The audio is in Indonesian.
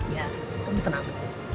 ya kamu tenang